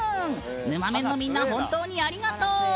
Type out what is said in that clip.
ぬまメンのみんな本当にありがとう。